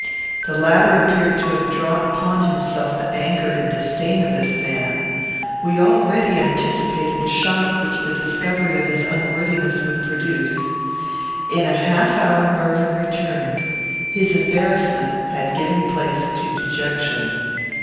The latter appeared to have drawn upon himself the anger and disdain of this man. We already anticipated the shock which the discovery of his unworthiness would produce. In a half hour Mervyn returned. His embarrassment had given place to dejection.